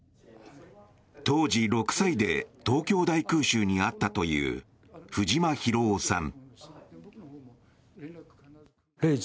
当時６歳で東京大空襲に遭ったという藤間宏夫さん。